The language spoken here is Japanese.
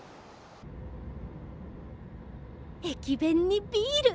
駅弁にビール！